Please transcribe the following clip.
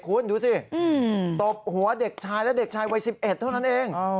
คุณดูสิตบหัวเด็กชายและเด็กชายวัย๑๑เท่านั้นเอง